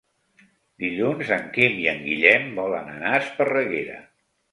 Dilluns en Quim i en Guillem volen anar a Esparreguera.